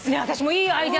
いいアイデアだ。